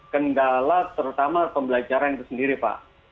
kendala terutama pembelajaran itu sendiri pak